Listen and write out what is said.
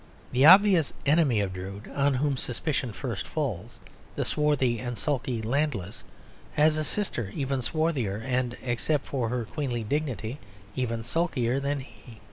The obvious enemy of Drood, on whom suspicion first falls, the swarthy and sulky Landless, has a sister even swarthier and, except for her queenly dignity, even sulkier than he.